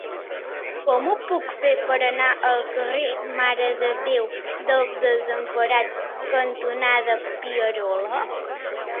Com ho puc fer per anar al carrer Mare de Déu dels Desemparats cantonada Pierola?